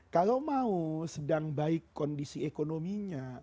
kalau mau sedang baik kondisi ekonominya